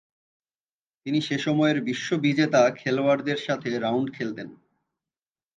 তিনি সেসময়ের বিশ্ববিজেতা খেলোয়াড়দের সাথে রাউন্ড খেলতেন।